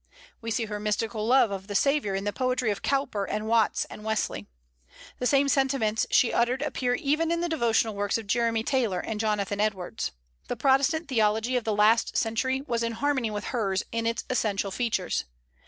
We see her mystical love of the Saviour in the poetry of Cowper and Watts and Wesley. The same sentiments she uttered appear even in the devotional works of Jeremy Taylor and Jonathan Edwards. The Protestant theology of the last century was in harmony with hers in its essential features.